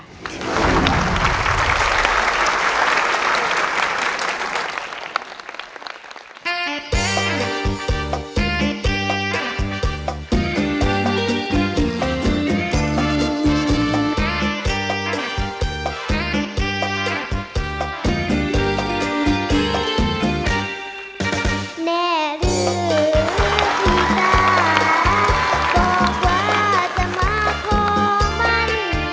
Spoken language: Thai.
แน่ลืมที่ตาบอกว่าจะมาพอมัน